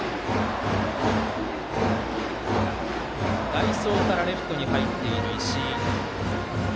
代走からレフトに入っている石井。